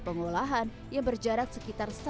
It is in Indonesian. pengolahan yang berjarak sekitar